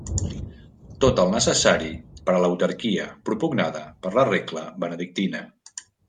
Tot el necessari per a l'autarquia propugnada per la regla benedictina.